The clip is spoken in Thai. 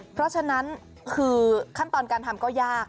เพราะฉะนั้นคือขั้นตอนการทำก็ยาก